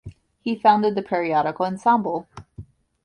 He founded the periodical Ensemble!